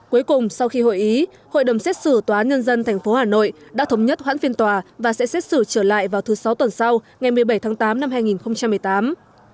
cuối cùng sau khi hội ý hội đồng xét xử tòa án nhân dân tp hà nội đã thống nhất hoãn phiên tòa và sẽ xét xử trở lại vào thứ sáu tuần sau ngày một mươi bảy tháng tám năm hai nghìn một mươi tám